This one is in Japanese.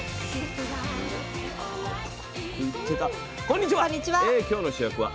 こんにちは。